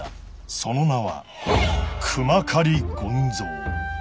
その名は熊狩権三。